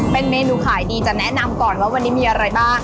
เป็นเมนูขายดีจะแนะนำก่อนว่าวันนี้มีอะไรบ้าง